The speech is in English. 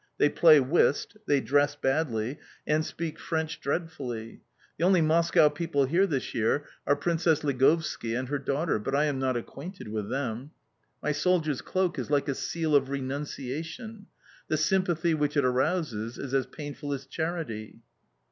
They play whist, they dress badly and speak French dreadfully! The only Moscow people here this year are Princess Ligovski and her daughter but I am not acquainted with them. My soldier's cloak is like a seal of renunciation. The sympathy which it arouses is as painful as charity."